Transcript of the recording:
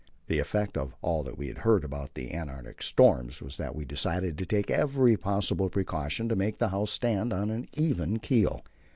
The effect of all we had heard about the Antarctic storms was that we decided to take every possible precaution to make the house stand on an even keel.